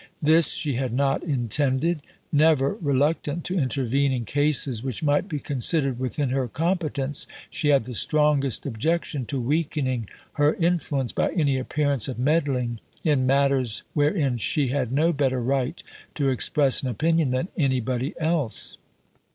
This she had not intended. Never reluctant to intervene in cases which might be considered within her competence, she had the strongest objection to weakening her influence by any appearance of meddling in matters wherein she had no better right to express an opinion than anybody else.